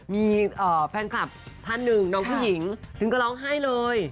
มีแฟนคลับท่านหนึ่งน้องผู้หญิงถึงก็ร้องไห้เลย